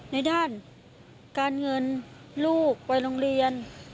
ในด้านการเงินลูกไปโรงเรียน